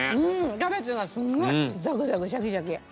キャベツがすっごいザクザクシャキシャキ。